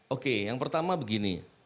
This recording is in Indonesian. oke yang pertama begini